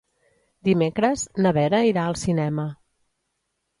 Dimecres na Vera irà al cinema.